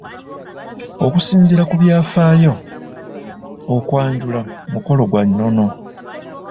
"Okusinziira ku byafaayo, okwanjula mukolo gwa nnono."